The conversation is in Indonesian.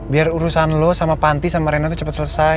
biar urusan lo sama panti sama rena itu cepat selesai